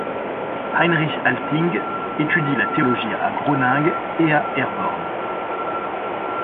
Heinrich Alting étudie la théologie à Groningue et à Herborn.